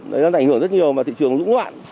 đấy là ảnh hưởng rất nhiều vào thị trường dũng loạn